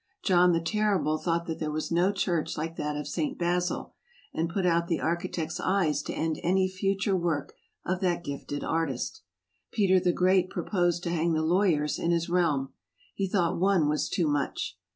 John the Terrible thought there was no church like that of St. Basil, and put out the archi tect's eyes to end any future work of that gifted artist. Peter the Great proposed to hang the lawyers in his realm. He thought one was too much.